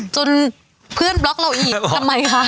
จนเพื่อนบล็อกเราอีกทำไมคะ